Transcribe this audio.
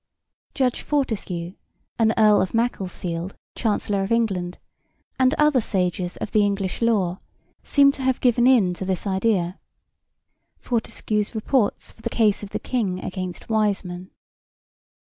Judge Fortescue, an Earl of Macclesfield, Chancellor of England, and other sages of the English law seem to have given into this idea. (Fortescue's Reports for the case of the King against Wiseman.